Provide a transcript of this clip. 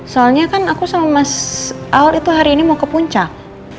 soalnya kan aku sama mas al itu hari ini mau ke puncak